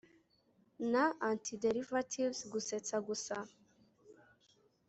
na antiderivatives ... gusetsa gusa